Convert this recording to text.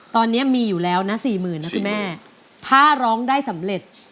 ตอนนี้มีอยู่แล้วนะ๔๐๐๐๐บาทถ้าร้องได้สำเร็จ